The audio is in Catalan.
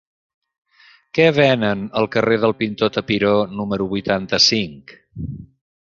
Què venen al carrer del Pintor Tapiró número vuitanta-cinc?